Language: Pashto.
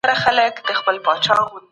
تورپوستي او سپین پوستي ټول انسانان دي.